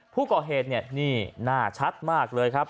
ผู้ก่อเหตุเนี่ยนี่หน้าชัดมากเลยครับ